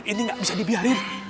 ini gak bisa dibiarin